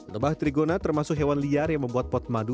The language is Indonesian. lebah trigona termasuk hewan liar yang membuat tanaman